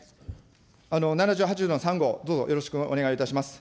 ７８条の３ごう、どうぞ、よろしくお願いいたします。